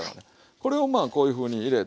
これをまあこういうふうに入れて。